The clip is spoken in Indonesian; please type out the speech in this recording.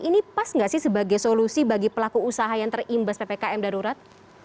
ini pas nggak sih sebagai solusi bagi pelaku usaha yang terimbas ppkm darurat